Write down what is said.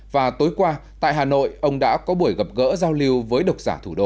và tối qua tại hà nội ông đã có buổi gặp gỡ giao lưu với độc giả thủ đô